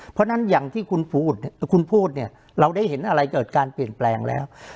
เพราะฉะนั้นอย่างที่คุณพูดเนี่ยเราได้เห็นอะไรเกิดการเปลี่ยนแปลงแล้ว